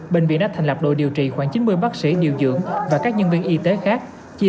bệnh viện đã thành lập đội điều trị khoảng chín mươi bác sĩ điều dưỡng và các nhân viên y tế khác